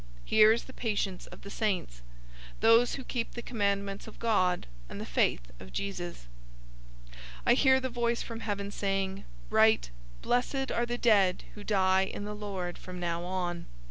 014:012 Here is the patience of the saints, those who keep the commandments of God, and the faith of Jesus." 014:013 I heard the voice from heaven saying, "Write, 'Blessed are the dead who die in the Lord from now on.'"